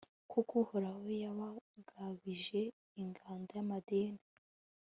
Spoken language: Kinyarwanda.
kuko uhoraho yabagabije ingando ya madiyani